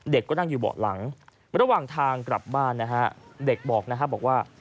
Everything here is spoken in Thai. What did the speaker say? เด็กก็นั่งอยู่เบาะหลังระหว่างทางกลับบ้านเด็กบอกว่า